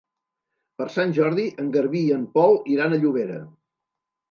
Per Sant Jordi en Garbí i en Pol iran a Llobera.